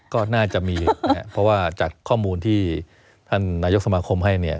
ก็น่าจะมีนะครับเพราะว่าจากข้อมูลที่ท่านนายกสมาคมให้เนี่ย